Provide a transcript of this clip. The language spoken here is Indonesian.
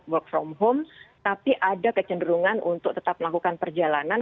work from home tapi ada kecenderungan untuk tetap melakukan perjalanan